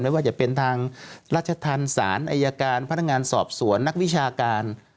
ไม่ว่าจะเป็นทางราชธรรมศาลอายการพนักงานสอบสวนนักวิชาการ